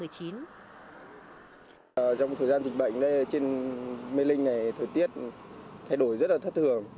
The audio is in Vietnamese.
trong thời gian dịch bệnh trên mê linh này thời tiết thay đổi rất là thất thường